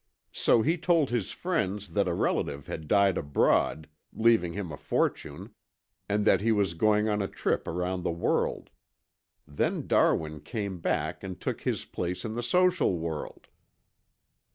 So he told his friends that a relative had died abroad, leaving him a fortune, and that he was going on a trip around the world. Then Darwin came back and took his place in the social world.